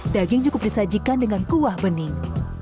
daging cukup disajikan dengan kuah bening